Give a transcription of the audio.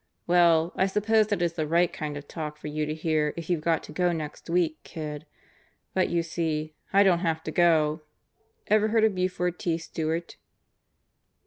"Well, I suppose that is the right kind of talk for you to hear if you've got to go next week, kid. But you see, I don't have to go. Ever hear of Buford T. Stewart?"